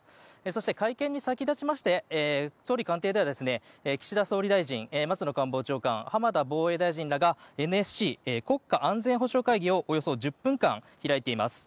そして会見に先立ちまして総理官邸では岸田総理大臣松野官房長官、浜田防衛大臣らがＮＳＣ・国家安全保障会議をおよそ１０分間開いています。